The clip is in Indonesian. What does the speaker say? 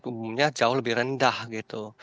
umumnya jauh lebih rendah gitu